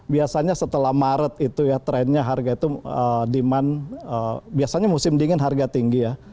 biasanya setelah maret itu ya trennya harga itu demand biasanya musim dingin harga tinggi ya